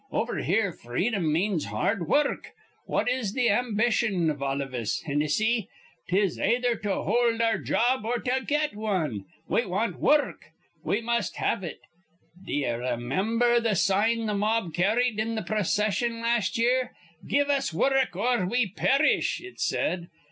Over here freedom means hard wurruk. What is th' ambition iv all iv us, Hinnissy? 'Tis ayether to hold our job or to get wan. We want wurruk. We must have it. D'ye raymimber th' sign th' mob carrid in th' procession las' year? 'Give us wurruk, or we perish,' it said.